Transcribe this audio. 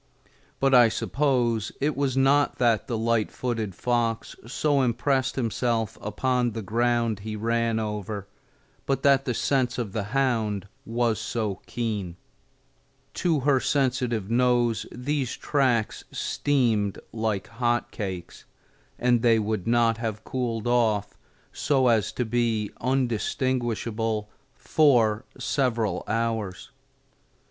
But I suppose it was not that the light footed fox so impressed himself upon the ground he ran over, but that the sense of the hound was so keen. To her sensitive nose these tracks steamed like hot cakes, and they would not have cooled off so as to be undistinguishable for several hours.